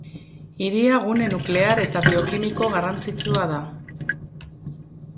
Hiria gune nuklear eta biokimiko garrantzitsua da.